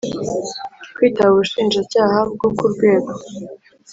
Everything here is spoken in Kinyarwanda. Kwitaba ubushinjacyaha bwo ku rwego